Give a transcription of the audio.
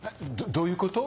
どういうこと？